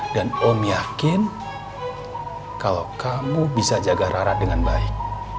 dan om yakin kalau kamu bisa jaga rara dengan baik